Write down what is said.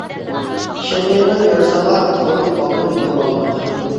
ئىشەنمەيمەن يار ساڭا، بولۇپ قالدىڭ گۇمانلىق.